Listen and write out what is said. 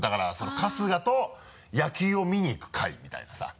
春日と野球を見に行く会みたいなさ。